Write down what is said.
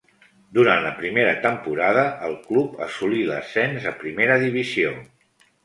Durant la primera temporada al club assolí l'ascens a primera divisió.